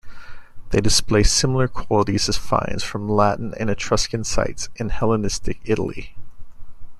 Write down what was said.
They display similar qualities as finds from Latin and Etruscan sites in Hellenistic Italy.